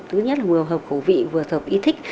thứ nhất là hợp khẩu vị hợp ý thích